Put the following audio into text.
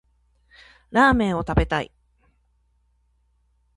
ラーメンを食べたい。